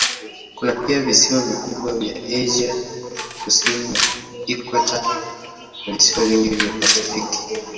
Kuna pia visiwa vikubwa vya Asia kusini kwa ikweta na visiwa vingi vya Pasifiki.